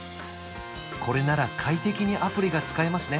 これなら快適にアプリが使えますね